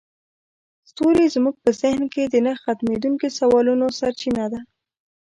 ستوري زموږ په ذهن کې د نه ختمیدونکي سوالونو سرچینه ده.